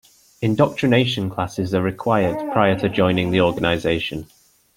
Indoctrination classes are required prior to joining the organization.